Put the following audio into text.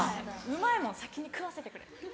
うまいもん先に食わせてくれ！